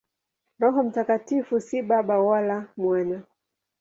Roho Mtakatifu si Baba wala Mwana.